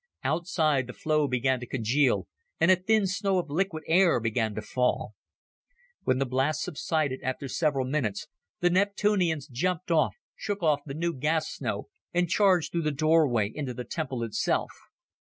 Outside, the flow began to congeal, and a thin snow of liquid air began to fall. When the blast subsided after several minutes, the Neptunians jumped up, shook off the new gas snow, and charged through the doorway into the temple itself.